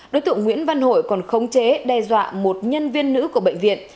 đối tượng nguyễn văn hội còn khống chế đe dọa một nhân viên nữ của bệnh viện